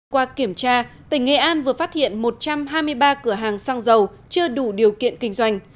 qua kiểm tra tỉnh nghệ an vừa phát hiện một trăm hai mươi ba cửa hàng xăng dầu chưa đủ điều kiện kinh doanh